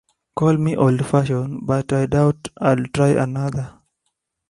Call me old-fashioned, but I doubt I'd try another.